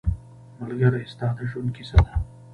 ملګری ستا د ژوند کیسه ده